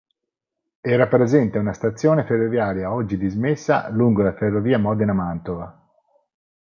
Era presente una stazione ferroviaria oggi dismessa, lungo la ferrovia Modena-Mantova.